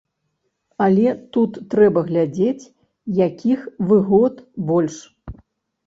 Але тут трэба глядзець, якіх выгод больш.